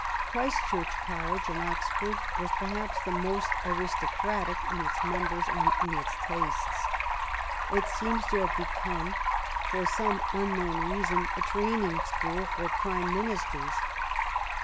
Christchurch College in Oxford was, perhaps, the most aristocratic in its members and in its tastes. It seems to have become, for some unknown reason, a training school for Prime Ministers.